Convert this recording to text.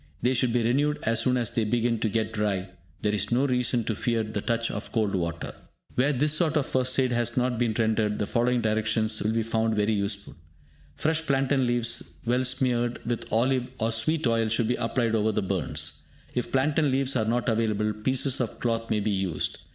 They should be renewed as soon as they begin to get dry; there is no reason to fear the touch of cold water. Where this sort of first aid has not been rendered, the following directions will be found very useful. Fresh plantain leaves well smeared with olive or sweet oil should be applied over the burns. If plantain leaves are not available, pieces of cloth may be used.